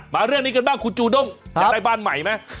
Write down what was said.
เรื่องนี้กันบ้างคุณจูด้งอยากได้บ้านใหม่ไหม